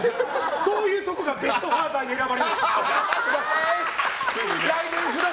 そういうところがベスト・ファーザー賞に選ばれないんだ！